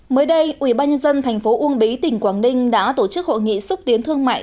mới đây ubnd tp uông bí tỉnh quảng ninh đã tổ chức hội nghị xúc tiến thương mại